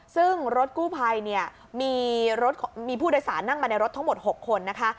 ซึ่งรถกู้ภัยเนี่ยมีรถมีผู้โดยสารนั่งมาในรถทั้งหมด๖คนนะคะ